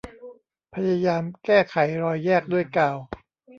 พยายามแก้ไขรอยแยกด้วยกาว